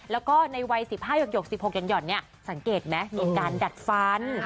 แล้วก็ในวัย๑๕หยก๑๖หย่อนเนี่ยสังเกตไหมมีการดัดฟัน